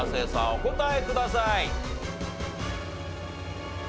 お答えください。